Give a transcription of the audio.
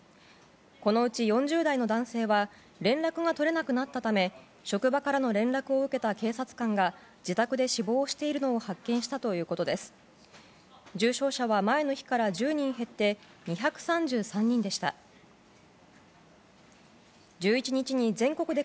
このうち４０代の男性は連絡が取れなくなったため職場からの連絡を受けた警察官が自宅で死亡しているのを確認したということです。